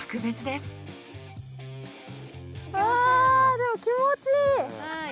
うわあでも気持ちいい！